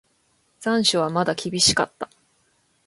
残暑はまだ厳しかった。